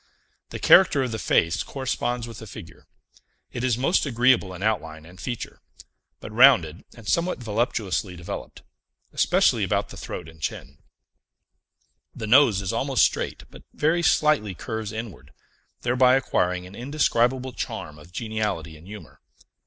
The character of the face corresponds with the figure; it is most agreeable in outline and feature, but rounded and somewhat voluptuously developed, especially about the throat and chin; the nose is almost straight, but very slightly curves inward, thereby acquiring an indescribable charm of geniality and humor.